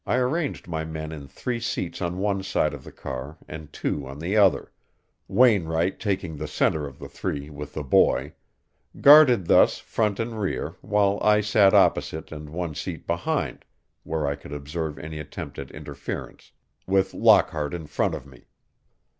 I arranged my men in three seats on one side of the car and two on the other, Wainwright taking the center of the three with the boy, guarded thus front and rear, while I sat opposite and one seat behind, where I could observe any attempt at interference, with Lockhart in front of me.